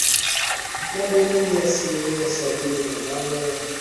na Burundi asilimia sabini na nane